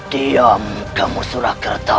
diam kamu surakerta